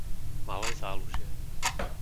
Malé Zálužie